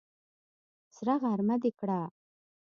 سره غرمه دې کړه!